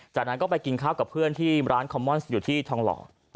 จากนั้นก็ไปกินข้าวกับเพื่อนที่ร้านคอมม่อนอยู่ที่ทองหล่อ